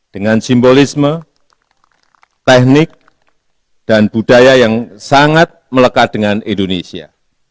dengan simbolisme teknik dan budaya yang sangat melekat dengan indonesia